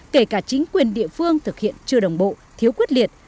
kể cả chính quyền địa phương thực hiện chưa đồng bộ thiếu quyết liệt